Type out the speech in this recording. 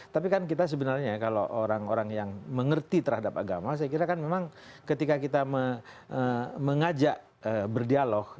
tapi kan kita sebenarnya kalau orang orang yang mengerti terhadap agama saya kira kan memang ketika kita mengajak berdialog